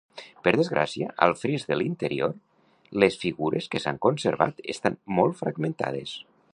Per desgràcia, al fris de l'interior, les figures que s'han conservat estan molt fragmentades.